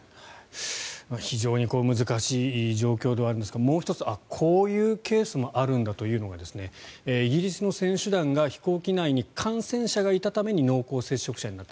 非常に難しい状況ではあるんですがもう１つ、こういうケースもあるんだというのがイギリスの選手団が飛行機内に感染者がいたために濃厚接触者になった。